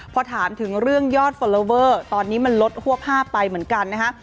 พอถามถึงเรื่องยอดฟอลลอเวอร์ตอนนี้มันลดฮวบภาพไปเหมือนกันนะฮะ